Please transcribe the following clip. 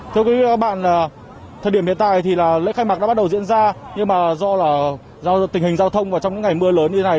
thưa quý vị các bạn thời điểm hiện tại thì là lễ khai mạc đã bắt đầu diễn ra nhưng mà do là tình hình giao thông và trong những ngày mưa lớn như thế này